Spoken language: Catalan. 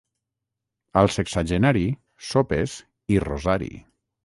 Al sexagenari, sopes i rosari.